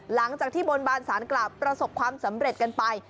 หลังจากที่บนบานศาลกราวประสบความสำเร็จกันไป